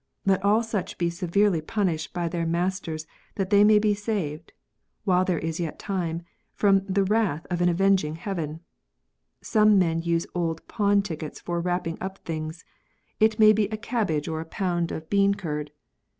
Let all such be severely punished by their masters that they may be saved, while there is yet time, from the wrath of an avenging Heaven. Some men use old pawn tickets for wrapping up things — it may be a cabbage or a pound of bean 94 RESPECT FOR THE WRITTEN CHARACTER. curd.